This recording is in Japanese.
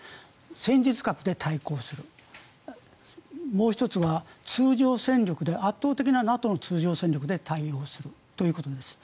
戦術核で対抗するもう１つは、圧倒的なＮＡＴＯの通常戦力で対応するということです。